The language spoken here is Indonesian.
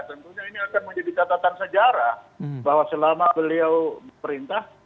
tentunya ini akan menjadi catatan sejarah bahwa selama beliau perintah